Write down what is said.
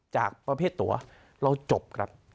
จากประเภทตัวเราจบครับ